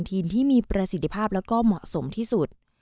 ทีมที่มีประสิทธิภาพแล้วก็เหมาะสมที่สุด